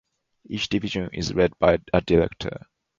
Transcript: Each division is led by a director.